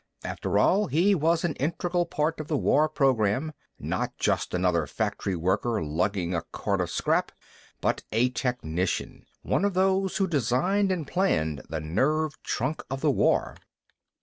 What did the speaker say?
After all, he was an integral part of the war program, not just another factory worker lugging a cart of scrap, but a technician, one of those who designed and planned the nerve trunk of the war.